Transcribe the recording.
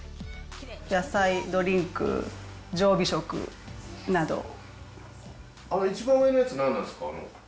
野菜、ドリンク、一番上のやつ、何なんですか。